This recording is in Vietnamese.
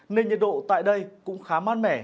nên nhiệt độ tại đây cũng khá mát mẻ